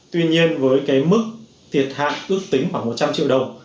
tuy nhiên với cái mức tiệt hạng ước tính khoảng một trăm linh triệu đồng